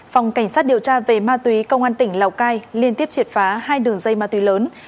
phòng cảnh sát điều tra về ma túy công an tỉnh lào cai liên tiếp triệt phá hai đường dây ma túy lớn